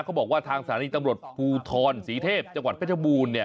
เขาบอกว่าทางสถานีตำรวจภูทรศรีเทพฯจังหวัดพระเจ้าบูรณ์